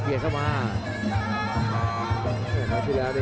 พยายามจะไถ่หน้านี่ครับการต้องเตือนเลยครับ